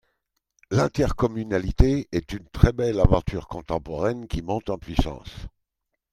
L’intercommunalité est une très belle aventure contemporaine, qui monte en puissance.